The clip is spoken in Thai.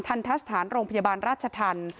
ทันทะสถานโรงพยาบาลราชธรรม